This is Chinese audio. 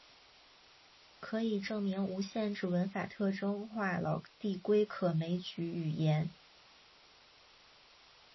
可以证明无限制文法特征化了递归可枚举语言。